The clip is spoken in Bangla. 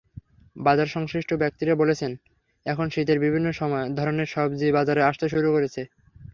বাজারসংশ্লিষ্ট ব্যক্তিরা বলছেন, এখন শীতের বিভিন্ন ধরনের সবজি বাজারে আসতে শুরু করেছে।